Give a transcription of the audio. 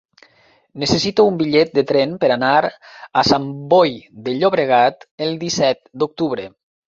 Necessito un bitllet de tren per anar a Sant Boi de Llobregat el disset d'octubre.